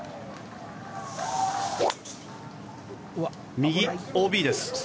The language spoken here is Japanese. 右ＯＢです。